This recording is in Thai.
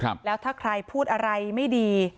แล้วถ้าใครพูดอะไรไม่ดี